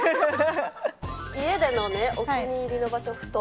家でのお気に入りの場所、布団。